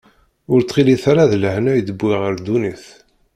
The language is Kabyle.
Ur ttɣilit ara d lehna i d-wwiɣ ɣer ddunit.